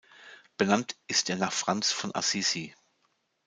Benannt ist er nach Franz von Assisi.